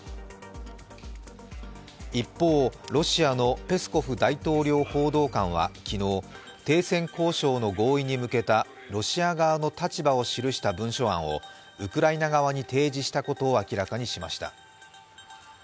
一方、ロシアのペスコフ大統領報道官は昨日停戦交渉の合意に向けたロシア側の立場を記した文書案をウクライナ側に提示したことを明らかにしました。